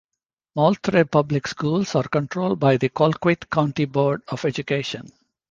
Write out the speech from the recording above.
Moultrie public schools are controlled by the Colquitt County Board of Education.